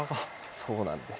そうなんです。